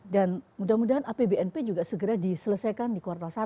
dan mudah mudahan apbnp juga segera diselesaikan di kuartal satu